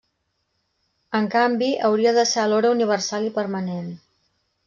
En canvi, hauria de ser alhora universal i permanent.